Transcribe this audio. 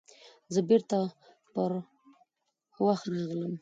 زه بیرته پر هوښ راغلم.